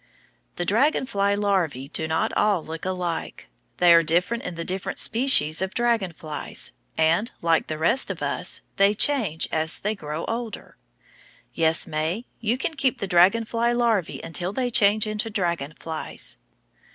The dragon fly larvæ do not all look alike. They are different in the different species of dragon flies, and, like the rest of us, they change as they grow older. Yes, May, you can keep the dragon fly larvæ until they change into dragon flies.